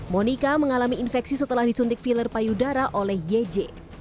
monika mengalami infeksi setelah disuntik filler payudara oleh yeje